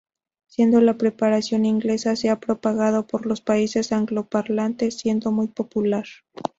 Siendo la preparación inglesa se ha propagado por los países angloparlantes siendo muy popular.